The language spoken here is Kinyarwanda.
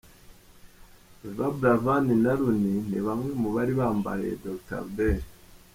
Yvan Buravan na Ronnie ni bamwe mu bari bambariye Dr Albert.